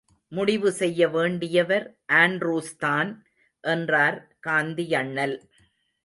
முடிவு செய்ய வேண்டியவர் ஆண்ட்ரூஸ்தான் என்றார் காந்தியண்ணல்.